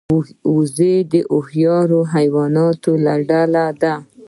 وزې د هوښیار حیواناتو له ډلې ده